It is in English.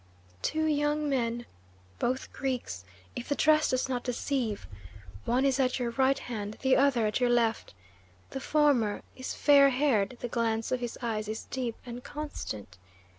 "Two young men both Greeks, if the dress does not deceive one is at your right hand, the other at your left. The former is fair haired; the glance of his eyes is deep and constant.